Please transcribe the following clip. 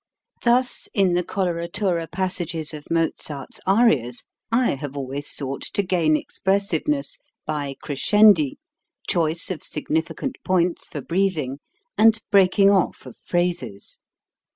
Thus, in the coloratura passages of Mozart's arias, I have always sought to gain expressiveness by crescendi, choice of signifi cant points for breathing, and breaking off of phrases.